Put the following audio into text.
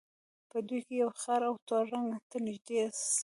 په دوی کې یو خړ او تور رنګ ته نژدې اس وو.